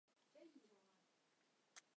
规模最大的公司